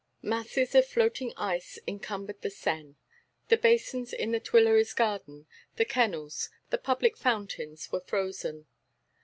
Masses of floating ice encumbered the Seine; the basins in the Tuileries garden, the kennels, the public fountains were frozen.